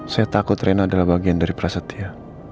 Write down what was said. saya takut reno adalah bagian dari prasetya